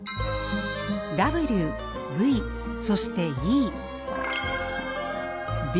「Ｗ」「Ｖ」そして「Ｅ」。